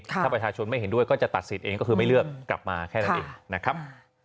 ถ้าประชาชนไม่เห็นด้วยก็จะตัดสิทธิ์เองก็คือไม่เลือกกลับมาแค่นั้นเองนะครับ